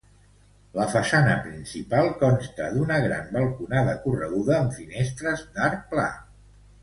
La façana principal consta d'una gran balconada correguda amb finestres d'arc pla.